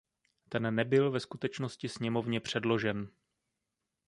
Ten nebyl ve skutečnosti sněmovně předložen.